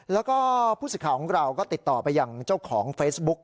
แล้วก็ผู้สิทธิ์ของเราก็ติดต่อไปอย่างเจ้าของเฟซบุ๊ก